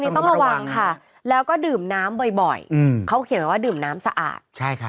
ต้องระวังค่ะแล้วก็ดื่มน้ำบ่อยเขาเขียนไว้ว่าดื่มน้ำสะอาดใช่ครับ